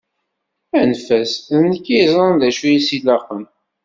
Anef-as, d nekk i yeẓran d acu i as-ilaqen.